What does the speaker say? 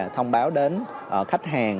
thông báo đến khách hàng